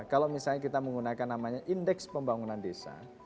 kalau misalnya kita menggunakan namanya indeks pembangunan desa